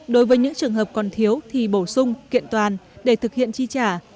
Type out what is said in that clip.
đối với những trường hợp còn thiếu thì bổ sung kiện toàn để thực hiện chi trả